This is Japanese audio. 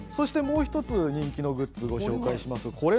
もう１つ人気のグッズをご紹介します。